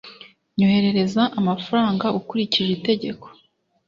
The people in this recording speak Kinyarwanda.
nyoherereza amafaranga ukurikije itegeko